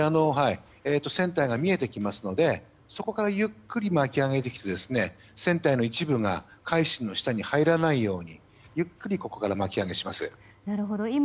船体が見えてきますのでそこからゆっくり巻き上げてきて船体の一部が「海進」の下に入らないようにゆっくりここから巻き上げをします。